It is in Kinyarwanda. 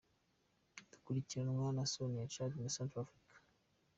Gikurikirwa na Somalia, Chad na Centre Afurika.